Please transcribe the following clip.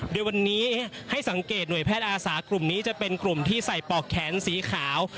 โดยวันนี้ให้สังเกตหน่วยแพทย์อาสากลุ่มนี้จะเป็นกลุ่มที่ใส่ปอกแขนสีขาว